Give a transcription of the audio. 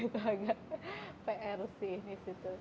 agak pr sih disitu